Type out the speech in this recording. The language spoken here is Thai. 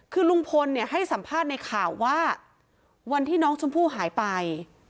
คือลุงพลให้สัมภาษณ์ในข่าวว่าวันที่น้องชมพู่หายไป